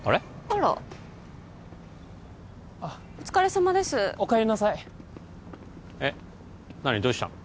あらお疲れさまですお帰りなさいえっ何どうしたの？